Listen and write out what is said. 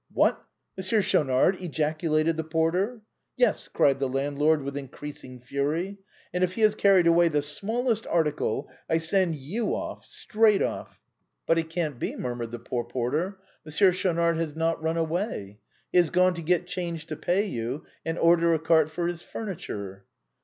" What ! Monsieur Schaunard !" ejaculated the porter. " Yes," cried the landlord with increasing fury ;" and if he has carried away the smallest article, I send you off, straight off !" 12 THE BOHEMIANS OF THE LATIN QUARTER. " But it can't be/' murmured the poor porter ;" Mon sieur Schaunard has not run away. He has gone to get change to pay you^ and order a cart for his furniture."